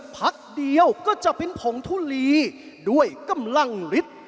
พักเดียวก็จะเป็นผงทุลีด้วยกำลังฤทธิ์